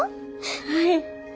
・はい。